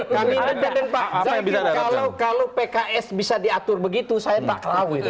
kalau pks bisa diatur begitu saya tak tahu itu